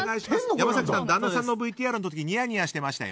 山崎さん、旦那さんのＶＴＲの時にニヤニヤしてました。